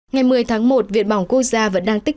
ngày một mươi tháng một viện bỏng quốc gia vẫn đang tích cực